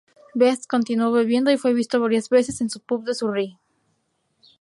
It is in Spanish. Best continuó bebiendo, y fue visto varias veces en su pub de Surrey.